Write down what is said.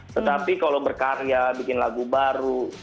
tetapi kalau berkarya bikin lagu lagu itu juga menurut gue